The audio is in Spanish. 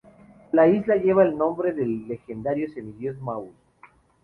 La isla lleva el nombre del legendario semidiós Maui.